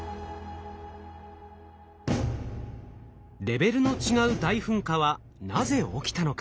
レベルの違う大噴火はなぜ起きたのか？